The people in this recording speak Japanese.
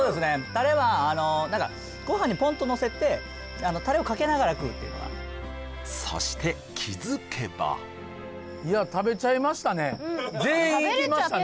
タレはあの何かご飯にポンとのせてタレをかけながら食うっていうのがそして気づけば全員いきましたね